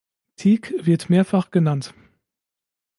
Tieck wird mehrfach genannt.